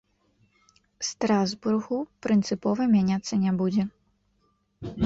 Страсбургу, прынцыпова мяняцца не будзе.